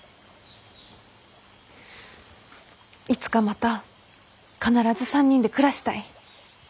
いつかまた必ず３人で暮らしたい。